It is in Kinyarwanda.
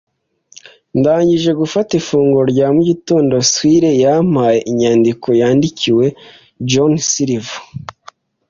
Ndangije gufata ifunguro rya mugitondo squire yampaye inyandiko yandikiwe John Silver,